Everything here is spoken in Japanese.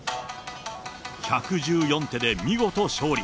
１１４手で見事勝利。